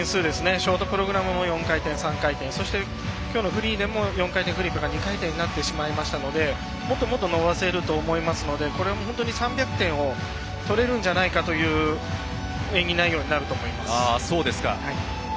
ショートプログラムの４回転、３回転そして、きょうのフリーでも４回転フリップが２回転になってしまいましたのでもっともっと伸ばせると思いますのでこれも本当に３００点を取れるんじゃないかという演技内容になると思います。